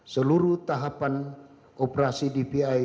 seluruh tahapan operasi dvi